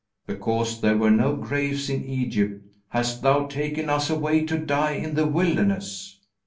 "Because there were no graves in Egypt, hast thou taken us away to die in the wilderness?